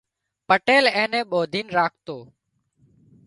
پٽيل اين نين ٻانڌين راکتو